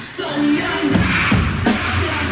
ส่วนยังแบร์ดแซมแบร์ด